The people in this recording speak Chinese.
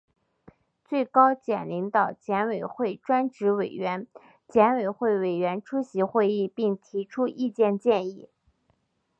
最高检领导、检委会专职委员、检委会委员出席会议并提出意见建议